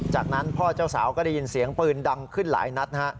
จากนั้นพ่อเจ้าสาวก็ได้ยินเสียงปืนดังขึ้นหลายนัด